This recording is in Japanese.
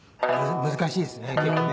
難しいですね結構ね。